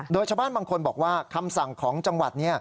โดยชาวบ้านบางคนบอกว่าคำสั่งของจังหวัด